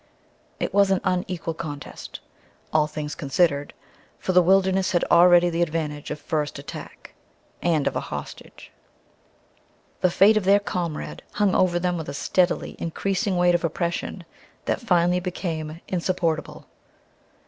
It was an unequal contest, all things considered, for the wilderness had already the advantage of first attack and of a hostage. The fate of their comrade hung over them with a steadily increasing weight of oppression that finally became insupportable.